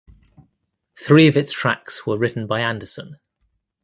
Three of its tracks were written by Anderson.